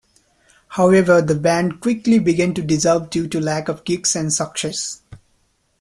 However, the band quickly began to dissolve due to lack of gigs and success.